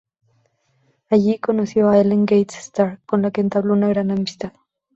Allí conoció a Ellen Gates Starr, con la que entabló una gran amistad.